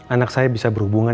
anak saya bisa berhubungan